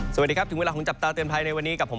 สวัสดีครับถึงเวลาของจับตาเตือนภัยในวันนี้กับผม